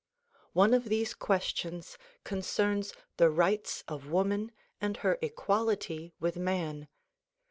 One of these questions concerns the rights of woman and her ecjuality with man.